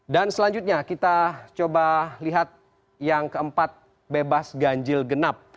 dan selanjutnya kita coba lihat yang keempat bebas ganjil genap